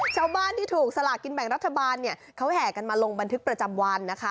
ชาวบ้านที่ถูกสลากินแบ่งรัฐบาลเนี่ยเขาแห่กันมาลงบันทึกประจำวันนะคะ